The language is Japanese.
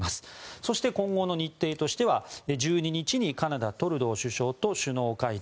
そして、今後の日程としては１２日、カナダのトルドー首相と首脳会談。